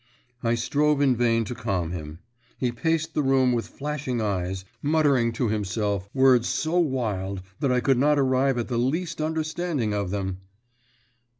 I strove in vain to calm him. He paced the room with flashing eyes, muttering to himself words so wild that I could not arrive at the least understanding of them.